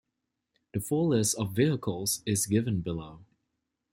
The full list of vehicles is given below.